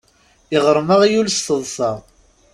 Iɣrem aɣyul s teḍṣa.